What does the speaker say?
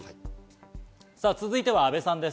続いては阿部さんです。